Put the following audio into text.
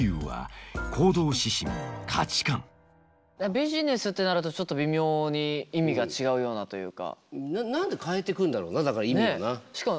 ビジネスってなるとちょっと微妙に意味が違うようなというか。